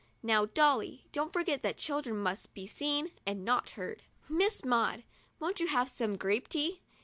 Now, Dolly, don't forget that children must be seen and not heard. Miss Maud, won't you have some grape tea